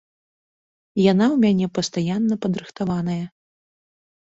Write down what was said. Яна ў мяне пастаянна падрыхтаваная.